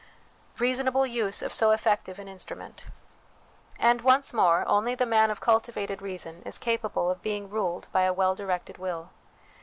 Reasonable Use of so effective an Instru ment. And, once more, only the man of cultivated reason is capable of being ruled by a well directed will.